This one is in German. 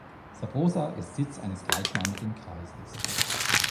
Sabrosa ist Sitz eines gleichnamigen Kreises.